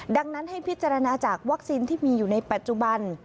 ดังนั้นให้พิจารณาจากวัคซีนที่มีอยู่ในปัจจุบัน